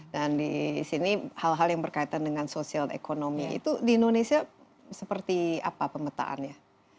dan di sini hal hal yang berkaitan dengan sosial ekonomi itu di indonesia seperti apa pemetaannya